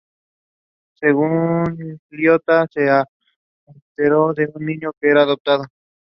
Media or public opinion warfare combines traditional propaganda techniques with deception and perception management.